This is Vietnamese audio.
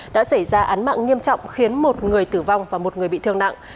đã xảy ra án mạng nghiêm trọng khiến một người tử vong và một người bị thương nặng